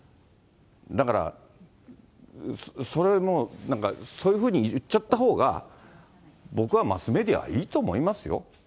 だから、それもなんかそういうふうに言っちゃったほうが、僕はマスメディアはいいと思いますよ。